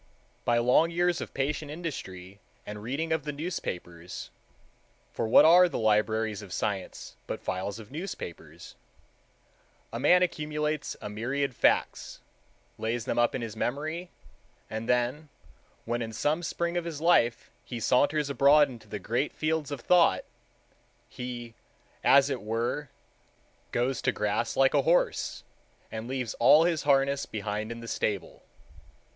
By long years of patient industry and reading of the newspapers—for what are the libraries of science but files of newspapers—a man accumulates a myriad facts, lays them up in his memory, and then when in some spring of his life he saunters abroad into the Great Fields of thought, he, as it were, goes to grass like a horse and leaves all his harness behind in the stable.